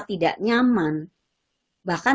tidak nyaman bahkan